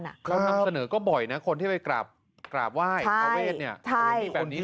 นำเสนอก็บ่อยนะคนที่ไปกราบไหว้พระเวทเนี่ย